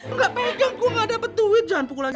enggak pegang gue gak dapet duit jangan pukul lagi